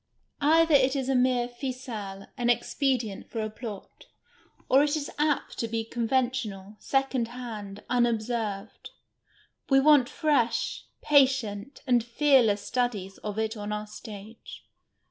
Either it is a mere ficelle, an expedient for a plot, or it is apt to be conventional, second hand, unobserved. We want fresh, jmtient, and fearless studies of it on our stage.